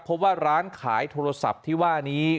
เพราะว่าร้านขายโทรศัพท์ที่ว่านี้